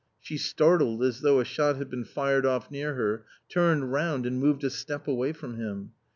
She startled as though a shot had been fired off near her, turned round, and moved a step away from him.